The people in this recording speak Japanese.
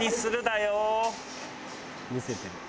「見せてる。